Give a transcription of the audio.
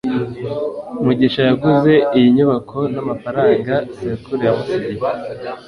mugisha yaguze iyi nyubako namafaranga sekuru yamusigiye